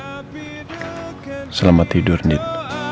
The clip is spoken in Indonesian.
kamu ini sapi tanpa kamu selamat tidur need